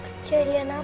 kamu tau kejadiannya gak